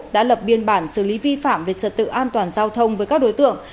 đã lập biên bản xử lý vi phạm về trật tự an toàn giao thông với các đối tượng